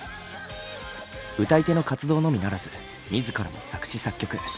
歌い手の活動のみならず自らも作詞作曲。